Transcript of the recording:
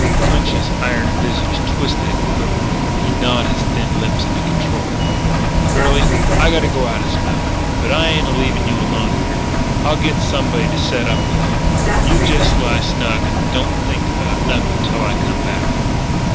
Clinch's iron visage twitched and quivered. He gnawed his thin lips into control: "Girlie, I gotta go out a spell. But I ain't a leavin' you alone here. I'll git somebody to set up with you. You jest lie snug and don't think about nothin' till I come back."